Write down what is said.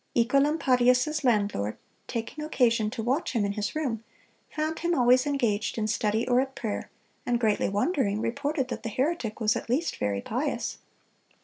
Œcolampadius's landlord, taking occasion to watch him in his room, found him always engaged in study or at prayer, and greatly wondering, reported that the heretic was at least "very pious."